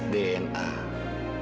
kamu diizinkan untuk melakukan tes dna